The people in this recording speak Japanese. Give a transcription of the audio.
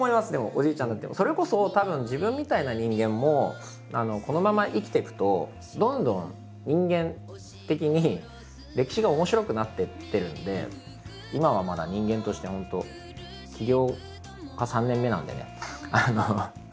それこそたぶん自分みたいな人間もこのまま生きていくとどんどん人間的に歴史が面白くなっていってるので今はまだ人間として本当起業家３年目なんでね。って今思いました。